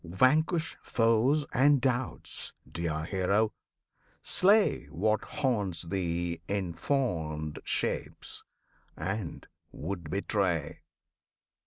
vanquish foes and doubts, dear Hero! slay What haunts thee in fond shapes, and would betray!